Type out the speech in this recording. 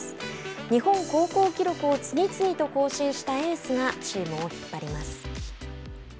日本高校記録を次々と更新したエースがチームを引っ張ります。